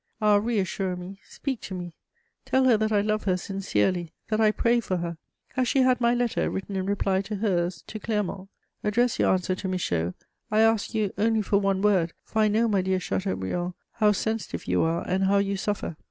Ah, reassure me, speak to me; tell her that I love her sincerely, that I pray for her! Has she had my letter written in reply to hers to Clermont? Address your answer to Michaud: I ask you only for one word, for I know, my dear Chateaubriand, how sensitive you are, and how you suffer.